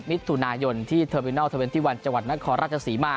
มิถุนายนที่เทอร์มินอลเทอร์เวนตี้วันจังหวัดนครราชศรีมา